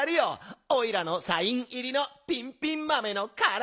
おいらのサインいりのピンピンまめのから。